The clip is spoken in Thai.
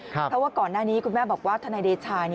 เพราะว่าก่อนหน้านี้คุณแม่บอกว่าทนายเดชา